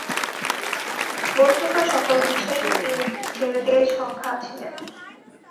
বস্তুত সকল বিষয়েই তিনি ছেলেদের সখা ছিলেন।